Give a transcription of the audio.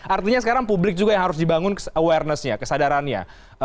artinya sekarang publik juga yang harus dibangun kesadarannya